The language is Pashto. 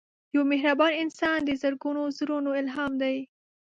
یو مهربان انسان د زرګونو زړونو الهام دی